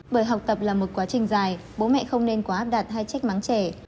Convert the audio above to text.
bởi học tập là một quá trình dài bố mẹ không nên quá áp đặt hai trách mắng trẻ